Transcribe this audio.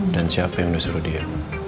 dan siapa yang disuruh dia